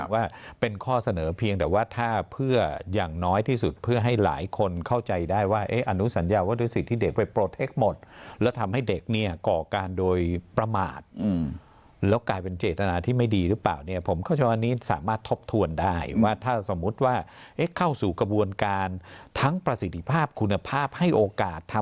ว่าเป็นข้อเสนอเพียงแต่ว่าถ้าเพื่ออย่างน้อยที่สุดเพื่อให้หลายคนเข้าใจได้ว่าอนุสัญญาว่าด้วยสิทธิ์ที่เด็กไปปลดเอ็กซหมดแล้วทำให้เด็กเนี่ยก่อการโดยประมาทแล้วกลายเป็นเจตนาที่ไม่ดีหรือเปล่าเนี่ยผมเข้าใจว่านี้สามารถทบทวนได้ว่าถ้าสมมุติว่าเข้าสู่กระบวนการทั้งประสิทธิภาพคุณภาพให้โอกาสทำ